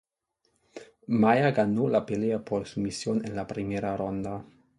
Maia ganó la pelea por sumisión en la primera ronda.